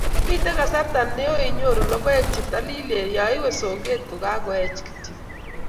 mito kasarta neoo inyoru logoek che talilen ya iwe soket ko kakuech kityo